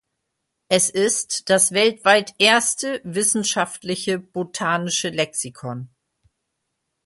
Es ist das weltweit erste wissenschaftliche botanische Lexikon.